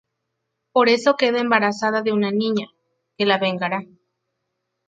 Por eso queda embarazada de una niña, que la vengará.